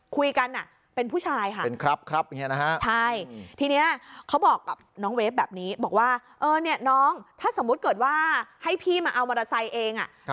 คุยกันเป็นผู้ชายค่ะเป็นครับครับใช่ทีนี้เขาบอกกับน้องเวฟแบบนี้บอกว่าเออเนี่ยน้องถ้าสมมุติเกิดว่าให้พี่มาเอามอเตอร์ไซค์เอง